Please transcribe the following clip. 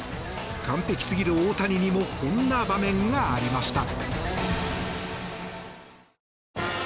完璧すぎる大谷にもこんな場面がありました。